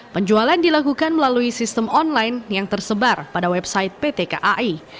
penjualan dilakukan melalui sistem online yang tersebar pada website pt kai